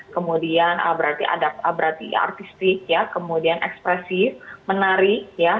kemudian berarti artistik ya kemudian ekspresif menarik ya